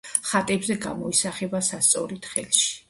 ხატებზე გამოისახება სასწორით ხელში.